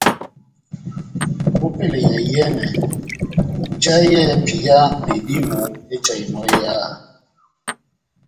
Ópɛlɛ ya iyɛ́nɛ njahɛ yɛ́hɛ́pi ya medímo ejahinɔ eháha.